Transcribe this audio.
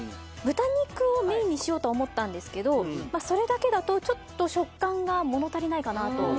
豚肉をメインにしようとは思ったんですけどそれだけだとちょっと食感が物足りないかなと。